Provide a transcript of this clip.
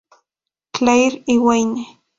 Clair y Wayne.